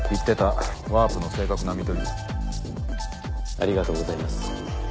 ありがとうございます。